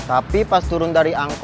tapi pas turun dari angka